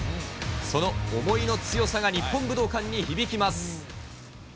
その思いの強さが日本武道館に響きます。